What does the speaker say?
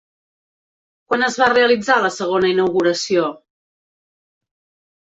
Quan es va realitzar la segona inauguració?